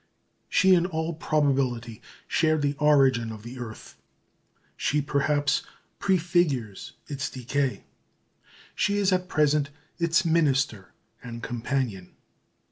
She in all probability shared the origin of the earth; she perhaps prefigures its decay. She is at present its minister and companion.